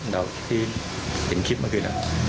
เราที่เห็นคลิปเมื่อคืนนะ